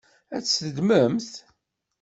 Ad t-teddmemt?